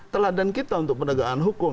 teladan kita untuk penegakan hukum